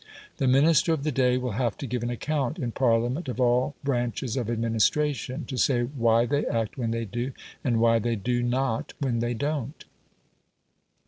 The Minister of the day will have to give an account in Parliament of all branches of administration, to say why they act when they do, and why they do not when they don't.